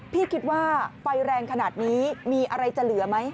พี่คิดว่าไฟแรงขนาดนี้มีอะไรจะเหลือไหม